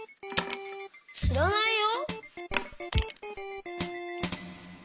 しらないよ。